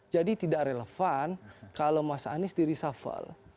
jadi tidak relevan kalau mas anies dirisafal